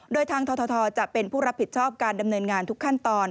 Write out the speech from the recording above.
โดยทางททจะเป็นผู้รับผิดชอบการดำเนินงานทุกขั้นตอน